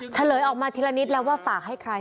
เฉลยออกมาทีละนิดแล้วว่าฝากให้ใคร